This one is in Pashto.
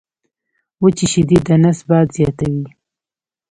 وچي شیدې د نس باد زیاتوي.